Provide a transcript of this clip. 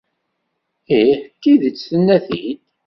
Ih, d tidet tenna-t-id.